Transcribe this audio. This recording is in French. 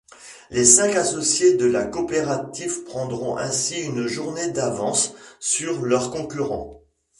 Les cinq associés de la coopérative prendront ainsi une journée d'avance sur leurs concurrents.